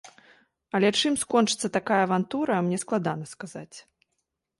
Але чым скончыцца такая авантура, мне складана сказаць.